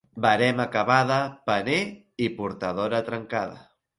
Verema acabada, paner i portadora trencada.